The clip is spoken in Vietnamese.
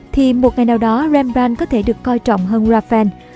thì một ngày nào đó rembrandt có thể được coi trọng hơn raphael